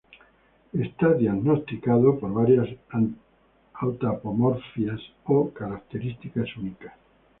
Está diagnosticado por varias autapomorfias, o características únicas.